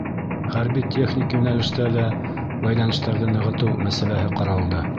Хәрби-техник йүнәлештә лә бәйләнештәрҙе нығытыу мәсьәләһе ҡаралды.